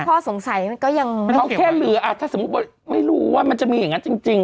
ข้อสงสัยมันก็ยังเขาแค่เหลืออ่ะถ้าสมมุติว่าไม่รู้ว่ามันจะมีอย่างนั้นจริงจริง